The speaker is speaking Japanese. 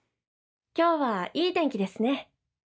今日はいい天気ですね。